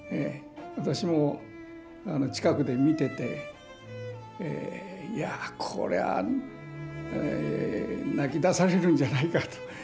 私も近くで見てて「いやこれは泣きだされるんじゃないか」という。